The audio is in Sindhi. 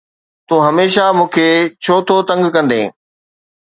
تون هميشه مون کي ڇو ٿو تنگ ڪندين؟